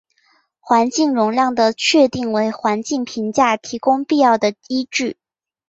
环境容量的确定为环境评价提供必要的依据。